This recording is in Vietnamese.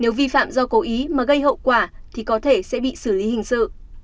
nếu vi phạm do cố ý mà gây hậu quả thì có thể sẽ bị xử lý hình sự